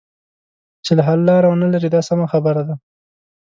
چې حل لاره ونه لري دا سمه خبره ده.